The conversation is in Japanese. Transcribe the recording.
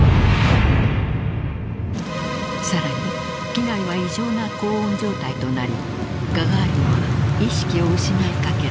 さらに機内は異常な高温状態となりガガーリンは意識を失いかける。